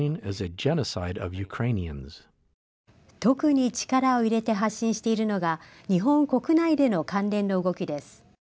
特に力を入れて発信しているのが日本国内での関連の動きです。